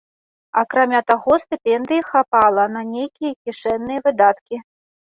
Акрамя таго, стыпендыі хапала на нейкія кішэнныя выдаткі.